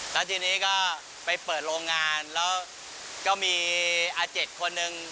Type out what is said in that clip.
ตอนนี้ก็ไปเปิดโรงงานแล้วก็มีอาจริดคนหนึ่ง